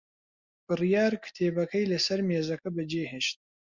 بڕیار کتێبەکەی لەسەر مێزەکە بەجێهێشت.